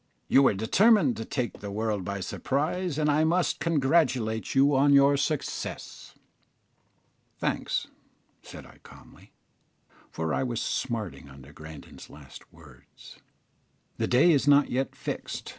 "You were determined to take the world by surprise, and I must congratulate you on your success." "Thanks," said I, calmly, for I was smarting under Grandon's last words: "the day is not yet fixed.